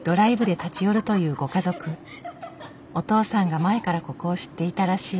お父さんが前からここを知っていたらしい。